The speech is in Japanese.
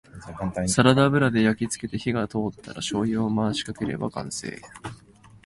サラダ油で焼きつけて火が通ったらしょうゆを回しかければ完成